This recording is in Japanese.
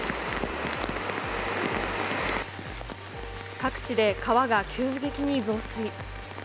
各地で川が急激に増水。